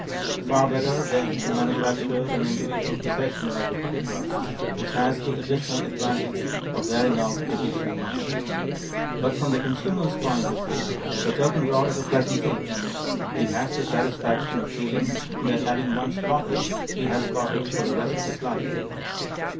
Far better, then to manufacture an individual possession like a tooth brush, which has the additional advantage of wearing out every few months. But from the consumer's point of view, a curtain rod is a pleasant thing. He has the satisfaction of feeling that, having once bought it, he has bought it for the rest of his life.